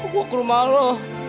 gue ke rumah lo